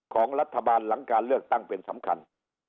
ของรัฐบาลหลังการเลือกตั้งเป็นสำคัญ